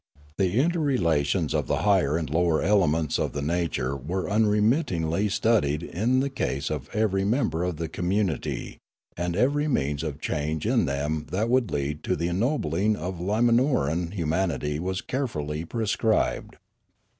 The inter relations of the higher and lower elements of the nature were unremittingly studied in the case of every mem ber of the community, and every means of change in them that would lead to the ennobling of Limanoran humanity was carefully prescribed.